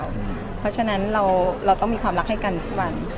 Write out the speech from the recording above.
เพราะฉะนั้นเราต้องมีความรักให้กันทุกวัน